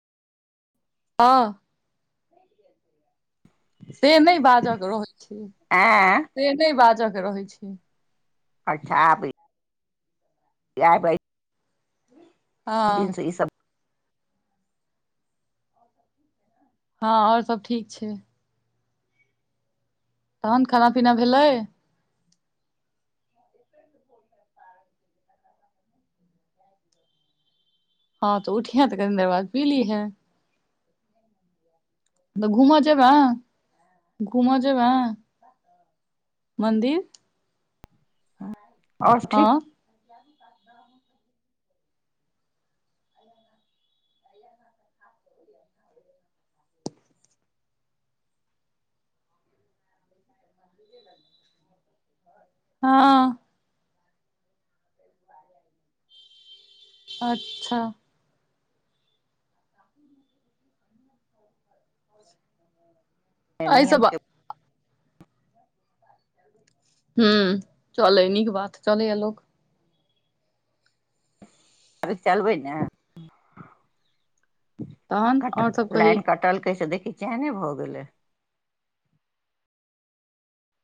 हं- से नहि बाजक रहै छै आँ से नहि बाजक रहै छै अच्छा भै ये भै आ ई सब हँ आओर सब ठीक छै तहन खाना पीना भेलै ढ़ हँंऽ तऽ उठीयें त कनी देर बाद पी ली हें तऽ घूमऽ जेबे घूमऽ जेबे मन्दिर आओ हँ ठीक हँ अच्छा ए एहि सब नियमके हू चलै नीक बात चलै या लोक अ [unintelligible] चलबै ने तहन कट आओर सब कही लाइन कटलकै से देखी चेने भऽ गेलै